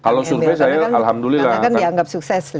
kalau survei saya alhamdulillah karena kan dianggap sukses